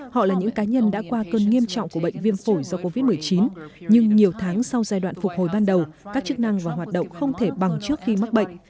họ là những cá nhân đã qua cơn nghiêm trọng của bệnh viêm phổi do covid một mươi chín nhưng nhiều tháng sau giai đoạn phục hồi ban đầu các chức năng và hoạt động không thể bằng trước khi mắc bệnh